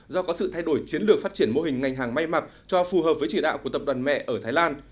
do có sự thay đổi chiến lược phát triển mô hình ngành hàng may mặc cho phù hợp với chỉ đạo của tập đoàn mẹ ở thái lan